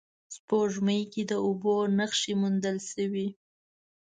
سپوږمۍ کې د اوبو نخښې موندل شوې